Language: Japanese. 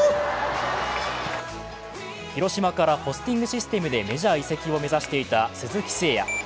広島からポスティングシステムでメジャー移籍を目指していた鈴木誠也。